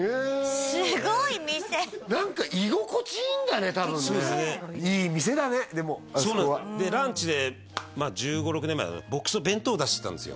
すごい店何か居心地いいんだね多分ねいい店だねでもそうなんですでランチで１５１６年前ボックスの弁当出してたんですよ